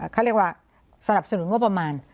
เขาเรียกว่าสนับสนุนงบประมาณ